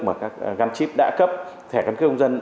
mà các gắn chip đã cấp thẻ căn cước công dân